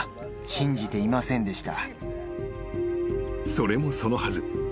［それもそのはず］